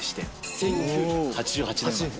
１９８８年です。